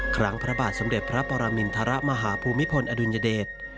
ครั้งพระบาทสำเด็จพระปรมินทรมาภูมิพลอดุญเดช